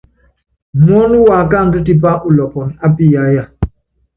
Muɔ́nɔ wákáandú tipá ulɔpɔnɔ ápiyáyaaaa.